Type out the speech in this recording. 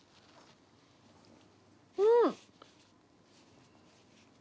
うん！